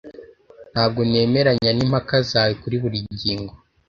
Ntabwo nemeranya nimpaka zawe kuri buri ngingo.